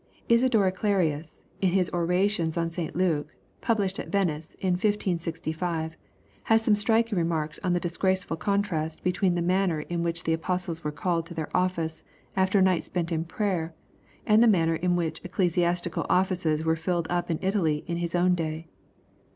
Isadore Clarius, in his orations on St Luke, published at Venice in 1565, has some striking remarks on the disgraceful contrast between the manner in which the apostles were called to their office after a night spent in prayer, and the manner in which ecclesixuiiical offices were filled up in Italy in his own day.